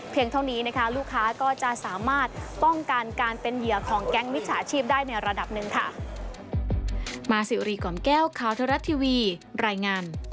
เท่านี้นะคะลูกค้าก็จะสามารถป้องกันการเป็นเหยื่อของแก๊งมิจฉาชีพได้ในระดับหนึ่งค่ะ